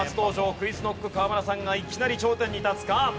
ＱｕｉｚＫｎｏｃｋ河村さんがいきなり頂点に立つか？